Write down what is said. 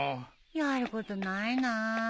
やることないなあ。